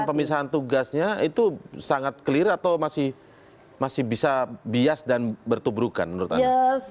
pemisahan tugasnya itu sangat clear atau masih bisa bias dan bertubrukan menurut anda